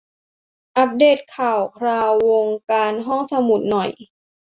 อัปเดทข่าวคราววงการห้องสมุดหน่อย